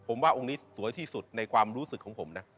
ผมว่าองค์นี้สวยที่สุดในความรู้สึกของผมนะ